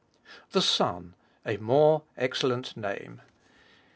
THE SON— A MORE EXCELLENT NAME.